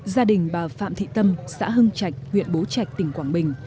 gia đình bà phạm thị tâm xã hưng trạch huyện bố trạch tỉnh quảng bình